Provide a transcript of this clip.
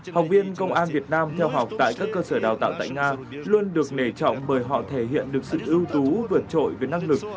học viên công an việt nam theo học tại các cơ sở đào tạo tại nga luôn được nể trọng bởi họ thể hiện được sự ưu tú vượt trội về năng lực